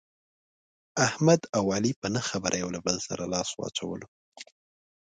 احمد او علي په نه خبره یو له بل سره لاس واچولو.